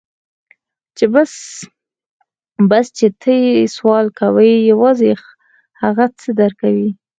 بس چې ته يې سوال کوې يوازې هغه څه در کوي.